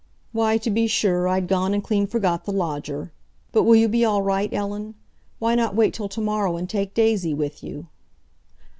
"Why, to be sure I'd gone and clean forgot the lodger! But will you be all right, Ellen? Why not wait till to morrow, and take Daisy with you?"